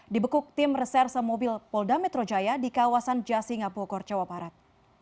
dibekuk tim reserse mobil polda metro jaya di kawasan jasinga bogor jawa barat